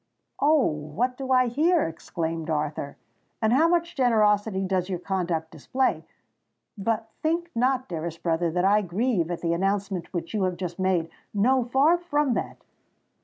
"Oh! what do I hear?" exclaimed Arthur: "and how much generosity does your conduct display! But think not, dearest brother, that I grieve at the announcement which you have just made! No—far from that!